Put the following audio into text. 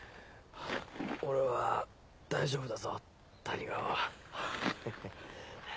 俺は大丈夫だぞ谷川ヘヘっ。